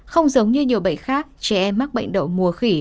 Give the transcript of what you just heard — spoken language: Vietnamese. không giống như nhiều bệnh khác trẻ em mắc bệnh đậu mùa khỉ